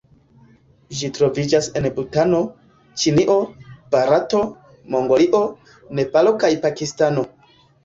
Ĝi troviĝas en Butano, Ĉinio, Barato, Mongolio, Nepalo kaj Pakistano.